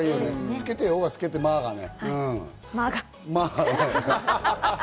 つけていようが、つけていまいがね。